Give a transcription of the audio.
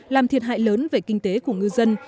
làm thiệt hại lớn về kinh tế của ngư dân